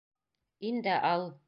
Ин дә ал!